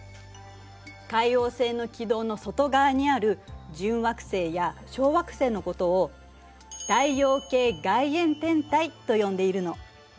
海王星の軌道の外側にある準惑星や小惑星のことをと呼んでいるの。